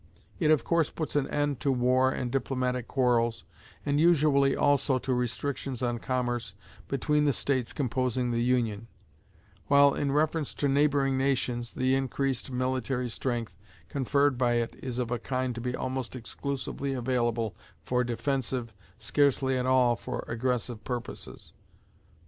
It of course puts an end to war and diplomatic quarrels, and usually also to restrictions on commerce, between the states composing the Union; while, in reference to neighboring nations, the increased military strength conferred by it is of a kind to be almost exclusively available for defensive, scarcely at all for aggressive purposes.